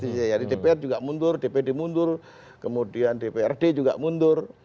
jadi dpr juga mundur dpd mundur kemudian dprd juga mundur